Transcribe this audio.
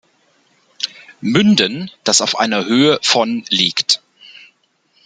Münden, das auf einer Höhe von liegt.